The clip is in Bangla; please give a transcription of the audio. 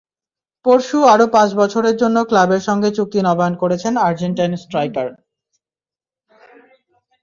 পরশু আরও পাঁচ বছরের জন্য ক্লাবের সঙ্গে চুক্তি নবায়ন করেছেন আর্জেন্টাইন স্ট্রাইকার।